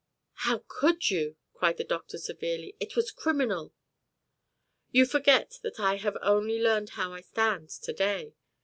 "How could you?" cried the doctor severely. "It was criminal." "You forget that I have only learned how I stand to day."